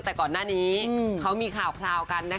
ตั้งแต่ก่อนหน้านี้เขามีข่าวพลาวกันนะคะ